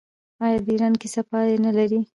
آیا د ایران کیسه پای نلري؟